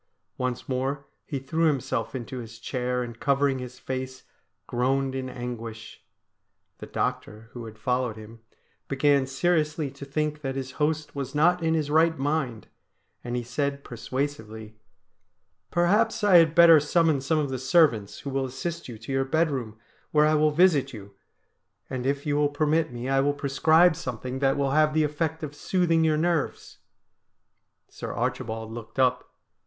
Once more he threw himself into his chair and covering his face groaned in anguish. The doctor, who had followed him, began seriously to think that his host was not in his right mind, and he said persuasively :' Perhaps I had better summon some of the servants, who will assist you to your bedroom, where I will visit you, and if 62 STORIES WEIRD AND WONDERFUL you will permit me I will prescribe something that will have the effect of soothing your nerves.' Sir Archibald looked up.